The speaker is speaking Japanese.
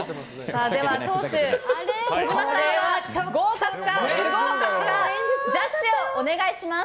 では、党首小島さんは合格か不合格かジャッジをお願いします。